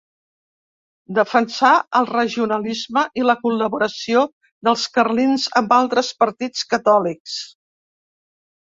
Defensà el regionalisme i la col·laboració dels carlins amb altres partits catòlics.